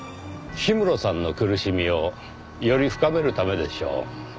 氷室さんの苦しみをより深めるためでしょう。